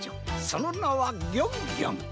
そのなはギョンギョン。